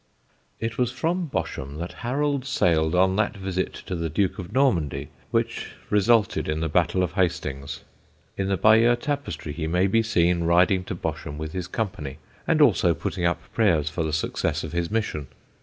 It was from Bosham that Harold sailed on that visit to the Duke of Normandy which resulted in the battle of Hastings. In the Bayeux tapestry he may be seen riding to Bosham with his company, and also putting up prayers for the success of his mission.